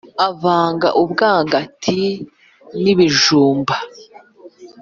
avanga ubwangati n’ibijumba